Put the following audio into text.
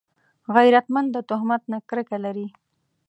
غیرتمند د تهمت نه کرکه لري